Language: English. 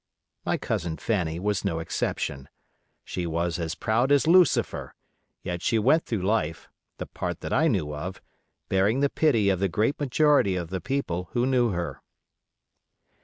My cousin Fanny was no exception. She was as proud as Lucifer; yet she went through life—the part that I knew of—bearing the pity of the great majority of the people who knew her.